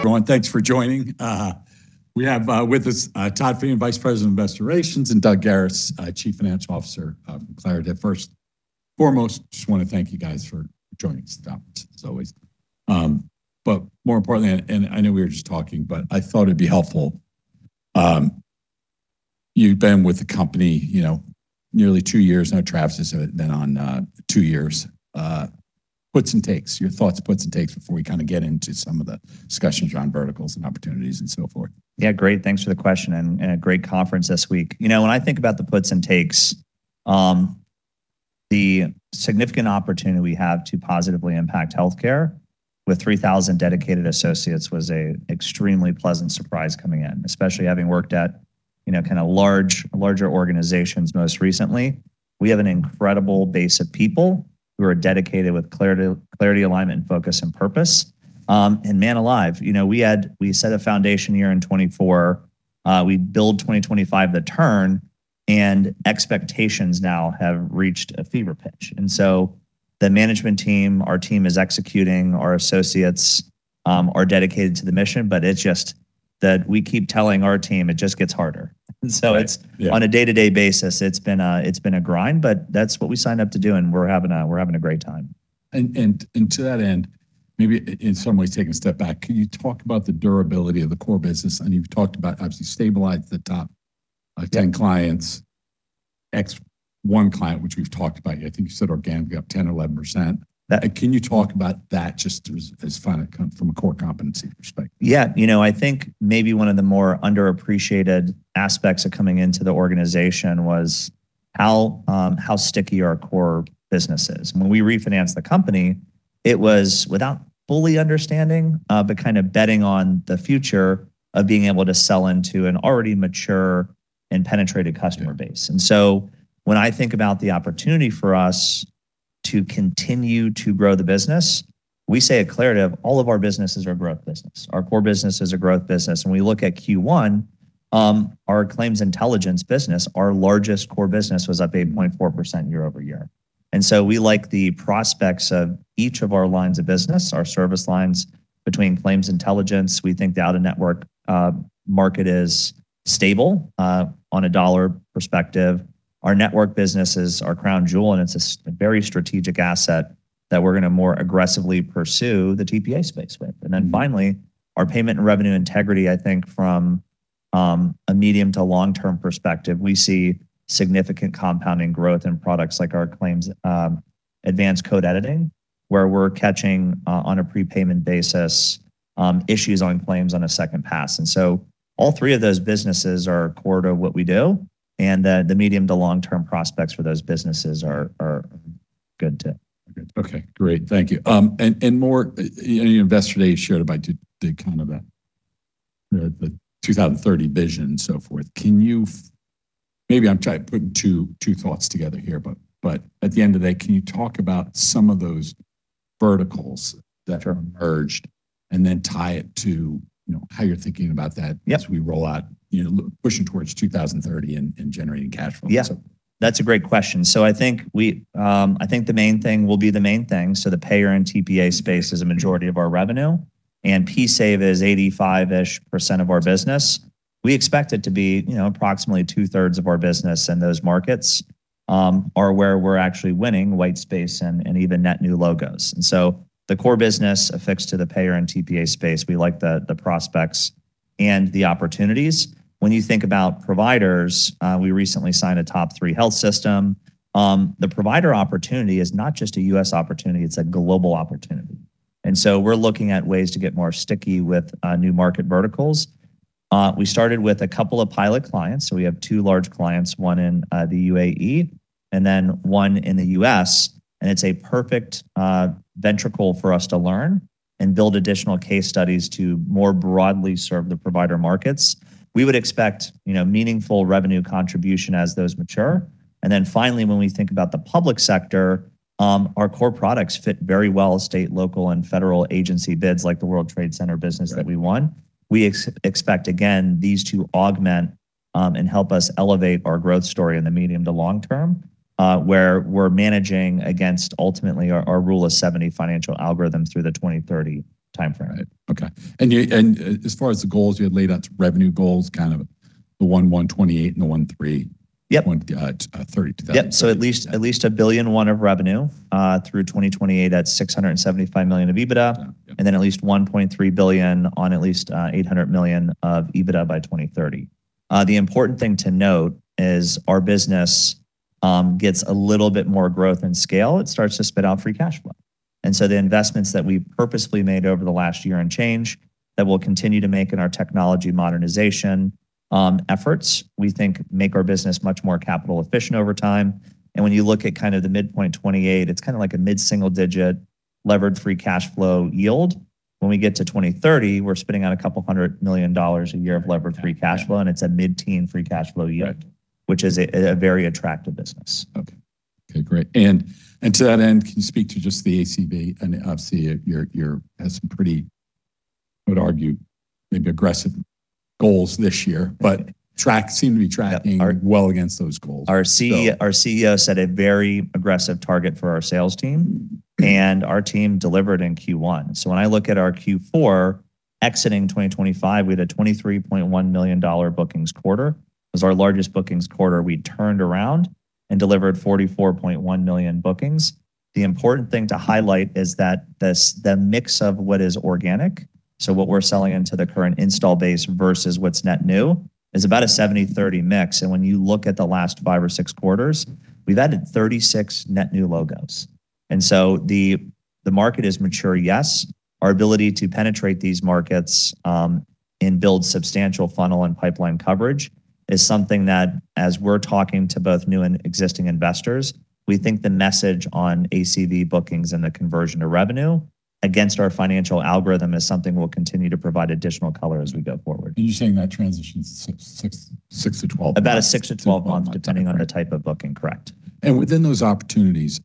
Everyone, thanks for joining. We have with us Todd Friedman, Vice President of Investor Relations, and Doug Garis, Chief Financial Officer, from Claritev. First, foremost, just wanna thank you guys for joining us. As always. More importantly, and, I know we were just talking, but I thought it'd be helpful, you've been with the company, you know, nearly two years now. Travis has been on, two years. Puts and takes, your thoughts, puts and takes before we kinda get into some of the discussions around verticals and opportunities and so forth. Yeah, great. Thanks for the question, and a great conference this week. You know, when I think about the puts and takes, the significant opportunity we have to positively impact healthcare with 3,000 dedicated associates was a extremely pleasant surprise coming in, especially having worked at larger organizations most recently. We have an incredible base of people who are dedicated with clarity, alignment, and focus, and purpose. Man alive, we set a foundation here in 2024, we build 2025 the turn, and expectations now have reached a fever pitch. The management team, our team is executing, our associates are dedicated to the mission, but it's just that we keep telling our team it just gets harder. Yeah On a day-to-day basis, it's been a grind. That's what we signed up to do. We're having a great time. To that end, maybe in some ways taking a step back, can you talk about the durability of the core business? I know you've talked about obviously stabilized the top, 10 clients, ex one client, which we've talked about. I think you said organic, up 10% or 11%. That- Can you talk about that just as from a core competency perspective? Yeah. You know, I think maybe one of the more underappreciated aspects of coming into the organization was how sticky our core business is. When we refinanced the company, it was without fully understanding, but kinda betting on the future of being able to sell into an already mature and penetrated customer base. When I think about the opportunity for us to continue to grow the business, we say at Claritev all of our businesses are growth business. Our core business is a growth business, and we look at Q1, our Claims Intelligence business, our largest core business, was up 8.4% year-over-year. We like the prospects of each of our lines of business, our service lines between Claims Intelligence. We think the out-of-network market is stable on a dollar perspective. Our network business is our crown jewel, and it's a very strategic asset that we're gonna more aggressively pursue the TPA space with. Finally, our Payment and Revenue Integrity, I think from a medium to long-term perspective, we see significant compounding growth in products like our claims, Advanced Code Editing, where we're catching on a prepayment basis, issues on claims on a second pass. All three of those businesses are core to what we do, and the medium to long-term prospects for those businesses are good too. Okay, great. Thank you. More, you know, Investor Day showed about the kind of the 2030 vision and so forth. Maybe I'm trying to put two thoughts together here, but at the end of the day, can you talk about some of those verticals that are merged, and then tie it to, you know, how you're thinking about that? Yep as we roll out, you know, pushing towards 2030 and generating cash flow. Yeah. That's a great question. I think we, I think the main thing will be the main thing, so the payer and TPA space is a majority of our revenue, and PSAVE is 85%-ish of our business. We expect it to be, you know, approximately 2/3 of our business, and those markets are where we're actually winning white space and even net new logos. The core business affixed to the payer and TPA space, we like the prospects and the opportunities. When you think about providers, we recently signed a top three health system. The provider opportunity is not just a U.S. opportunity, it's a global opportunity. We're looking at ways to get more sticky with new market verticals. We started with a couple of pilot clients, so we have two large clients, one in the UAE and then one in the U.S., and it's a perfect vehicle for us to learn and build additional case studies to more broadly serve the provider markets. We would expect, you know, meaningful revenue contribution as those mature. Finally, when we think about the public sector, our core products fit very well state, local, and federal agency bids like the World Trade Center business that we won. We expect, again, these to augment and help us elevate our growth story in the medium to long term, where we're managing against ultimately our Rule of 70 financial algorithm through the 2030 timeframe. Right. Okay. As far as the goals, you had laid out revenue goals, kind of the $1.128 and the $1.3- Yep point, 30. Yep. At least $1.1 billion of revenue through 2028, that's $675 million of EBITDA. Yeah. At least $1.3 billion on at least $800 million of EBITDA by 2030. The important thing to note is our business gets a little bit more growth and scale. It starts to spit out free cash flow. The investments that we've purposefully made over the last year and change that we'll continue to make in our technology modernization efforts, we think make our business much more capital efficient over time. When you look at kind of the midpoint 2028, it's kinda like a mid-single-digit Levered Free Cash Flow yield. When we get to 2030, we're spending on a couple $100 million a year of Levered Free Cash Flow, and it's a mid-teen free cash flow yield. Right which is a very attractive business. Okay. Okay, great. To that end, can you speak to just the ACV? Obviously has some pretty, I would argue, maybe aggressive goals this year. Yeah. Well against those goals. Our CEO set a very aggressive target for our sales team, and our team delivered in Q1. When I look at our Q4 exiting 2025, we had a $23.1 million bookings quarter. It was our largest bookings quarter. We turned around and delivered $44.1 million bookings. The important thing to highlight is that the mix of what is organic, so what we're selling into the current install base versus what's net new, is about a 70/30 mix. When you look at the last five or six quarters, we've added 36 net new logos. The market is mature, yes. Our ability to penetrate these markets, and build substantial funnel and pipeline coverage is something that, as we're talking to both new and existing investors, we think the message on ACV bookings and the conversion to revenue against our financial algorithm is something we'll continue to provide additional color as we go forward. You're saying that transition's 6-12 months. About a 6-12 months, depending on the type of booking, correct. Within those opportunities,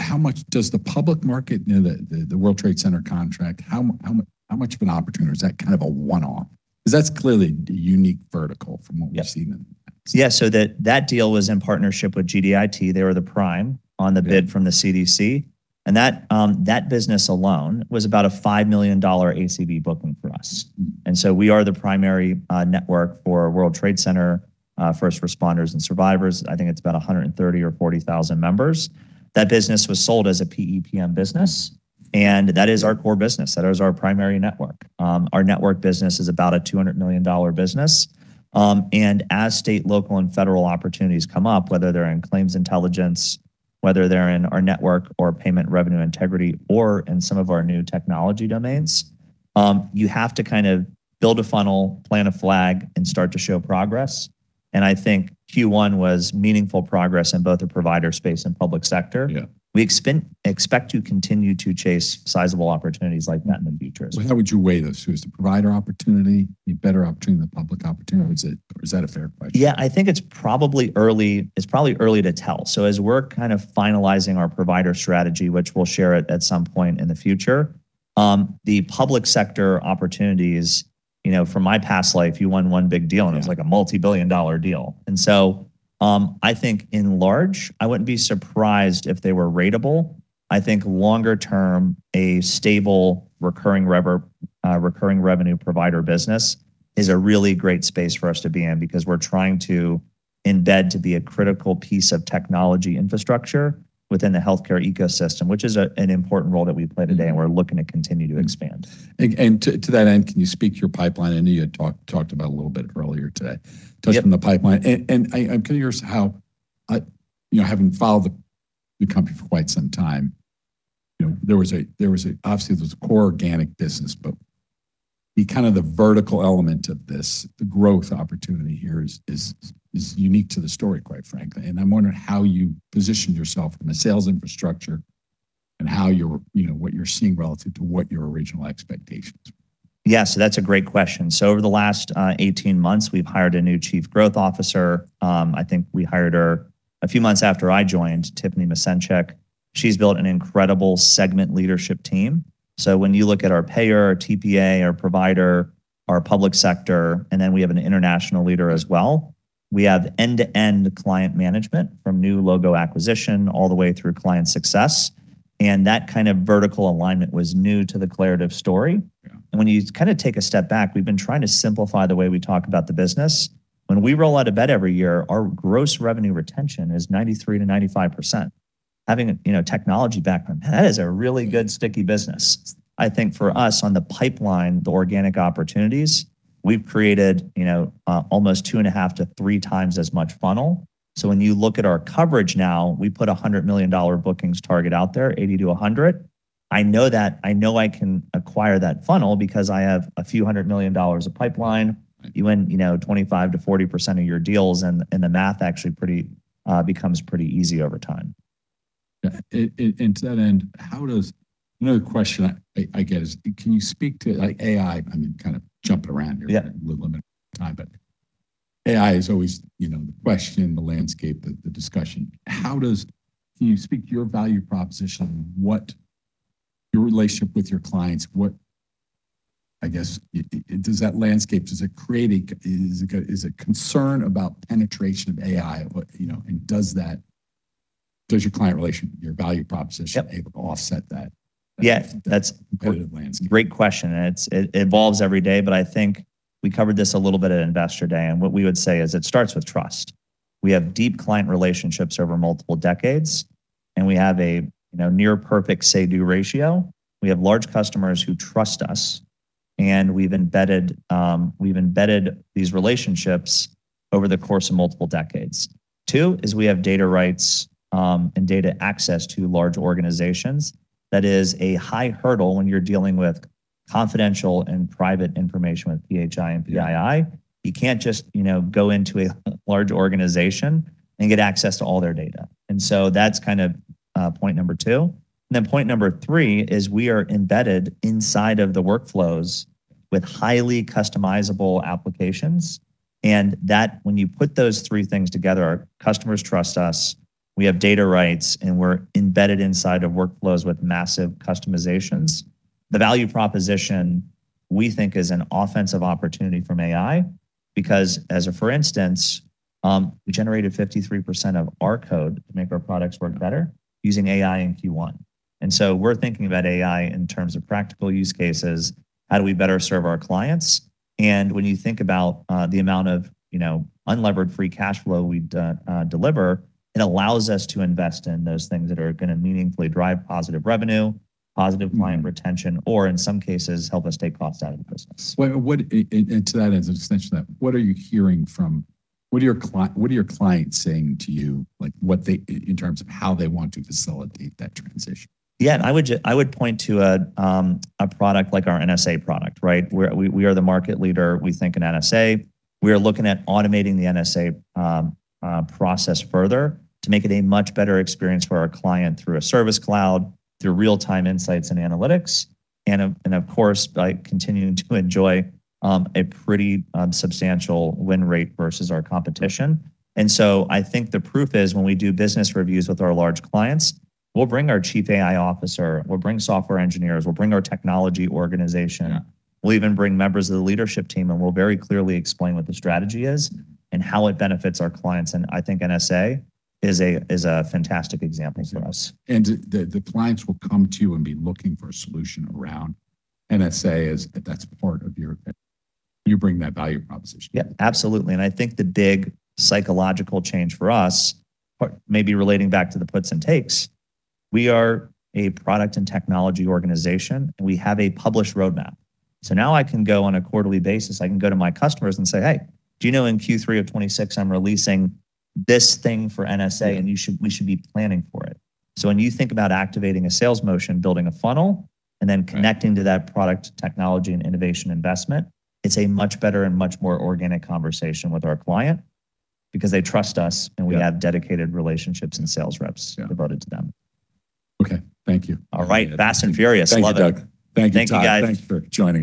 how much does the public market, you know, the World Trade Center contract, how much of an opportunity, or is that kind of a one-off? Cause that's clearly a unique vertical from what we've seen in the past. That deal was in partnership with GDIT. They were the prime on the bid from the CDC. That business alone was about a $5 million ACV booking for us. We are the primary network for World Trade Center first responders and survivors. I think it's about 130 or 40,000 members. That business was sold as a PEPM business, and that is our core business. That is our primary network. Our network business is about a $200 million business. As state, local, and federal opportunities come up, whether they're in Claims Intelligence, whether they're in our network or Payment Revenue Integrity, or in some of our new technology domains, you have to kind of build a funnel, plant a flag, and start to show progress. I think Q1 was meaningful progress in both the provider space and public sector. Yeah. We expect to continue to chase sizable opportunities like that in the future as well. How would you weigh those two? Is the provider opportunity a better opportunity than the public opportunity? Is it or is that a fair question? Yeah, I think it's probably early to tell. As we're kind of finalizing our provider strategy, which we'll share at some point in the future, the public sector opportunities, you know, from my past life, you won one big deal. Yeah It's like a multi-billion dollar deal. I think in large, I wouldn't be surprised if they were ratable. I think longer term, a stable recurring revenue provider business is a really great space for us to be in because we're trying to embed to be a critical piece of technology infrastructure within the healthcare ecosystem, which is an important role that we play today, and we're looking to continue to expand. To that end, can you speak to your pipeline? I know you had talked about a little bit earlier today. Yep. Touched on the pipeline. I'm curious how, you know, having followed the company for quite some time, you know, there was a, obviously, there was a core organic business, but the kind of the vertical element of this, the growth opportunity here is, is unique to the story, quite frankly. I'm wondering how you positioned yourself from a sales infrastructure and how you're, you know, what you're seeing relative to what your original expectations were. That's a great question. Over the last 18 months, we've hired a new chief growth officer. I think we hired her a few months after I joined, Tiffani Misencik. She's built an incredible segment leadership team. When you look at our payer, our TPA, our provider, our public sector, and then we have an international leader as well, we have end-to-end client management from new logo acquisition all the way through client success, and that kind of vertical alignment was new to the Claritev story. Yeah. When you kind of take a step back, we've been trying to simplify the way we talk about the business. When we roll out of bed every year, our Gross Revenue Retention is 93%-95%. Having a, you know, technology background, that is a really good, sticky business. I think for us on the pipeline, the organic opportunities, we've created, you know, almost two and a half to three times as much funnel. When you look at our coverage now, we put a $100 million bookings target out there, 80-100. I know that I can acquire that funnel because I have a few hundred million dollars of pipeline. You win, you know, 25%-40% of your deals and the math actually becomes pretty easy over time. Yeah. To that end, another question I get is, can you speak to, like, AI? I mean, kind of jumping around here. Yeah With limited time, AI is always, you know, the question, the landscape, the discussion. Can you speak to your value proposition? What your relationship with your clients, I guess, does that landscape, does it create a concern about penetration of AI? you know, does your client relation? Yep able to offset that competitive landscape? Yeah, that's a great question, it evolves every day, I think we covered this a little bit at Investor Day. What we would say is it starts with trust. We have deep client relationships over multiple decades. We have a, you know, near perfect say-do ratio. We have large customers who trust us. We've embedded these relationships over the course of multiple decades. Two, we have data rights and data access to large organizations. That is a high hurdle when you're dealing with confidential and private information with PHI and PII. Yeah. You can't just, you know, go into a large organization and get access to all their data. That's kind of point number two. Point number three is we are embedded inside of the workflows with highly customizable applications. That when you put those three things together, our customers trust us, we have data rights, and we're embedded inside of workflows with massive customizations. The value proposition we think is an offensive opportunity from AI because as a for instance, we generated 53% of our code to make our products work better using AI in Q1. We're thinking about AI in terms of practical use cases, how do we better serve our clients? When you think about, the amount of, you know, unlevered free cash flow we deliver, it allows us to invest in those things that are gonna meaningfully drive positive revenue, positive client retention, or in some cases, help us take costs out of the business. What and to that end, to extension that, what are you hearing from, what are your clients saying to you? Like, what they, in terms of how they want to facilitate that transition? Yeah, I would point to a product like our NSA product, right? We're the market leader, we think, in NSA. We are looking at automating the NSA process further to make it a much better experience for our client through a Service Cloud, through real-time insights and analytics, and of course, by continuing to enjoy a pretty substantial win rate versus our competition. I think the proof is when we do business reviews with our large clients, we'll bring our Chief AI Officer, we'll bring software engineers, we'll bring our technology organization. Yeah. We'll even bring members of the leadership team, and we'll very clearly explain what the strategy is and how it benefits our clients. I think NSA is a fantastic example for us. The clients will come to you and be looking for a solution around NSA. Is that's part of your? You bring that value proposition. Yeah, absolutely. I think the big psychological change for us, or maybe relating back to the puts and takes, we are a product and technology organization, and we have a published roadmap. Now I can go on a quarterly basis, I can go to my customers and say, "Hey, do you know in Q3 of 2026 I'm releasing this thing for NSA. Yeah. we should be planning for it. when you think about activating a sales motion, building a funnel Right Connecting to that product technology and innovation investment, it's a much better and much more organic conversation with our client because they trust us. Yeah we have dedicated relationships and sales reps Yeah devoted to them. Okay. Thank you. All right. Fast and furious. Love it. Thank you, Doug. Thank you, guys. Thanks for joining.